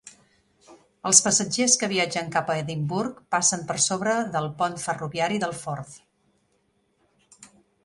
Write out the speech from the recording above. Els passatgers que viatgen cap a Edimburg passen per sobre del pont ferroviari del Forth